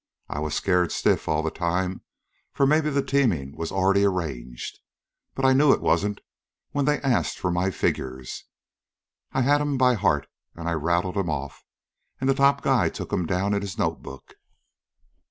I was scared stiff all the time for maybe the teamin' was already arranged. But I knew it wasn't when they asked for my figures. I had 'm by heart, an' I rattled 'm off, and the top guy took 'm down in his note book.